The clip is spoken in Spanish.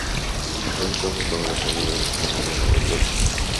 Fue entonces cuando la familia se mudó a Nueva York.